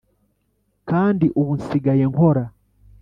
kandi ubu nsigaye nkora